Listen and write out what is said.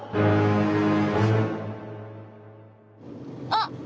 あっ！